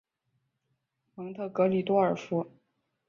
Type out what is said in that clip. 蒙特格里多尔福。